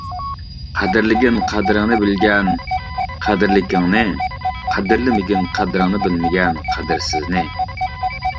قەدىرلىگىن قەدرىڭنى بىلگەن قەدىرلىكىڭنى، قەدىرلىمىگىن قەدرىڭنى بىلمىگەن قەدىرسىزنى.